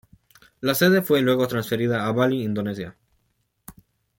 La sede fue luego transferida a Bali, Indonesia.